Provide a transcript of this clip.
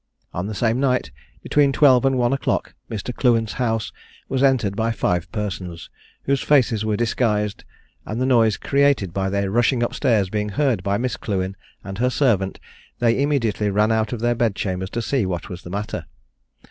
On the same night, between twelve and one o'clock, Mr. Clewen's house was entered by five persons, whose faces were disguised, and the noise created by their rushing up stairs being heard by Miss Clewen and her servant, they immediately ran out of their bed chambers to see what was the matter.